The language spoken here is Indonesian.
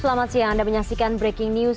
selamat siang anda menyaksikan breaking news